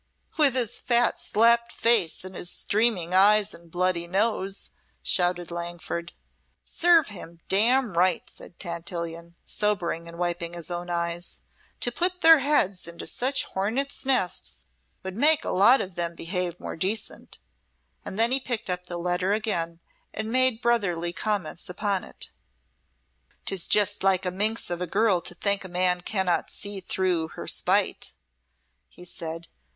"With his fat, slapped face and his streaming eyes and bloody nose!" shouted Langford. "Serve him damn right!" said Tantillion, sobering and wiping his own eyes. "To put their heads into such hornets' nests would make a lot of them behave more decent." And then he picked up the letter again and made brotherly comments upon it. "'Tis just like a minx of a girl to think a man cannot see through her spite," he said.